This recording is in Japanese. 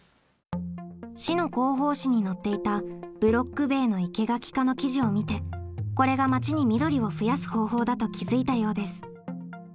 市の広報誌に載っていた「ブロック塀の生け垣化」の記事を見てこれが町に緑を増やす方法だと気づいたようです。